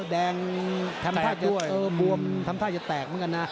แดงทำท่าจะแตกเหมือนกันนะ